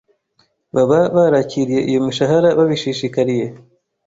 baba barakiriye iyo mishahara babishishikariye